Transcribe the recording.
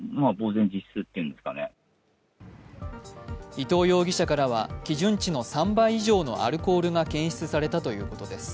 伊東容疑者からは基準値の３倍以上のアルコールが検出されたということです。